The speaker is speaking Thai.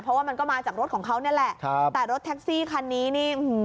เพราะว่ามันก็มาจากรถของเขานี่แหละครับแต่รถแท็กซี่คันนี้นี่